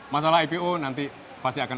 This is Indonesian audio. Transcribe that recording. masalah ipo nanti pasti akan